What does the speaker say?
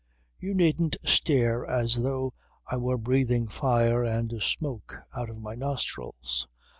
You needn't stare as though I were breathing fire and smoke out of my nostrils.